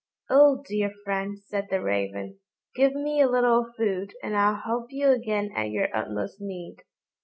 "Oh, dear friend," said the Raven, "give me a little food, and I'll help you again at your utmost need."